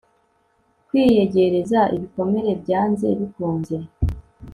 kwiyegereza ibikomere byanze bikunze